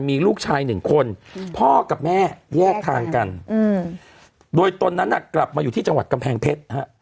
มีลูกชายหนึ่งคนพ่อกับแม่แยกทางกันโดยตนนั้นกลับมาอยู่ที่จังหวัดกำแพงเพชร